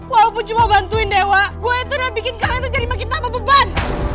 walaupun cuma bantuin dewa gue itu udah bikin kalian tuh jadi makin tambah beban